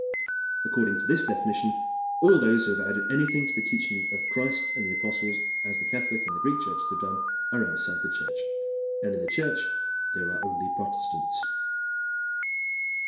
"] According to this definition all those who have added anything to the teaching of Christ and the apostles, as the Catholic and Greek churches have done, are outside the Church. And in the Church there are only Protestants.